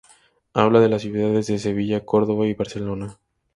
Habla de las ciudades de Sevilla, Córdoba y Barcelona.